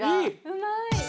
うまい！